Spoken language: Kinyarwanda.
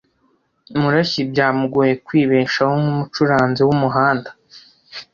Murashyi byamugoye kwibeshaho nkumucuranzi wumuhanda.